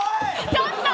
ちょっと！